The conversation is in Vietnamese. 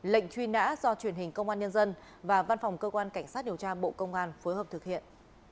lệnh truy nã do truyền hình công an nhân dân và văn phòng cơ quan cảnh sát điều tra bộ công an phối hợp thực hiện